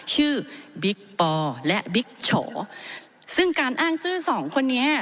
บิ๊กปอและบิ๊กโฉซึ่งการอ้างชื่อสองคนนี้